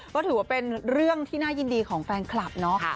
ก็ถือว่าเป็นเรื่องที่น่ายินดีของแฟนคลับเนาะ